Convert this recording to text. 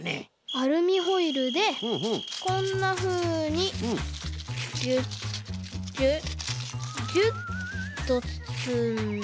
アルミホイルでこんなふうにキュッキュッキュッとつつんで。